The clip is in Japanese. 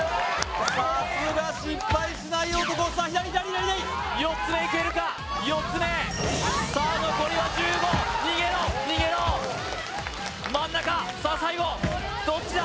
さすが失敗しない男さあ左左左左４つ目いけるか４つ目さあ残りは１５逃げろ逃げろ真ん中さあ最後どっちだ？